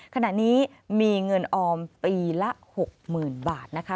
ขณะนี้มีเงินออมปีละ๖๐๐๐บาทนะคะ